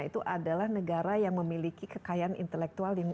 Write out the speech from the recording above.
itu adalah negara yang memiliki kekayaan intelektual yang bagus